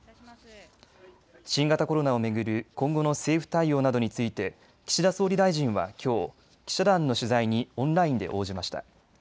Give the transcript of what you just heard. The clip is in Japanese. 新型コロナを巡る今後の政府対応などについて岸田総理大臣はきょう記者団の取材にオンラインで応じました。